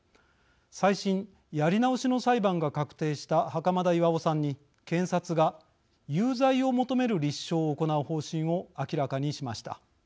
再審、やり直しの裁判が確定した袴田巌さんに検察が有罪を求める立証を行う方針を明らかにしました。